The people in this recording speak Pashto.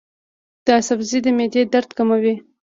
دا سبزی د معدې درد کموي.